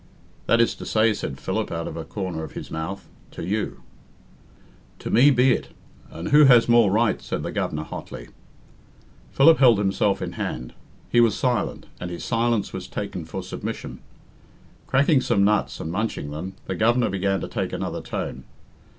"That is to say," said Philip out of a corner of his mouth, "to you." "To me be it, and who has more right?" said the Governor hotly. Philip held himself in hand. He was silent, and his silence was taken for submission. Cracking some nuts and munching them, the Governor began to take another tone.